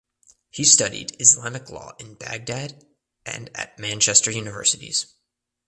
He studied Islamic law in Baghdad and at Manchester Universities.